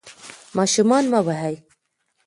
ماشومان مه وهئ.